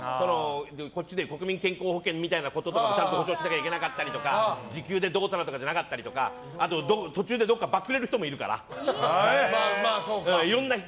こっちでいう国民健康保険みたいなことをちゃんと保証しないといけなかったりとか時給でとかじゃなかったりとか途中でばっくれる人もいるから。